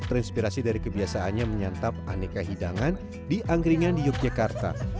terinspirasi dari kebiasaannya menyantap aneka hidangan di angkringan di yogyakarta